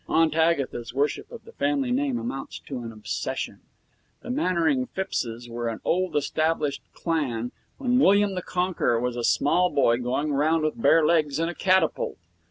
Aunt Agatha's worship of the family name amounts to an obsession. The Mannering Phippses were an old established clan when William the Conqueror was a small boy going round with bare legs and a catapult.